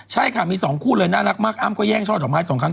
ใช่ค่ะมี๒คู่เลยน่ารักมากอ้ำก็แย่งช่อดอกไม้๒ครั้ง